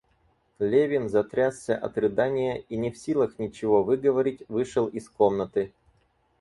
Левин затрясся от рыдания и, не в силах ничего выговорить, вышел из комнаты.